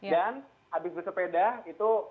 dan abis bersepeda itu